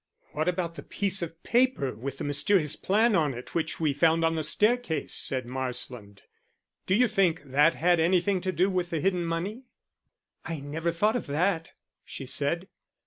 "What about the piece of paper with the mysterious plan on it which we found on the staircase?" said Marsland. "Do you think that had anything to do with the hidden money?" "I never thought of that," she said.